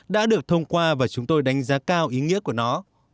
đã được thông qua và chúng tôi đánh giá cao ý nghĩa của nó